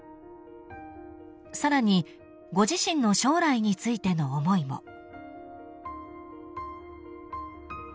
［さらにご自身の将来についての思いも］